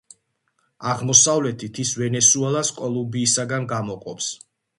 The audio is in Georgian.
აღმოსავლეთით, ის ვენესუელას კოლუმბიისგან გამოყოფს.